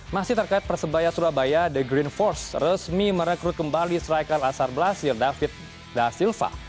masih terkait persebaya surabaya the green force resmi merekrut kembali striker asal blasir david da silva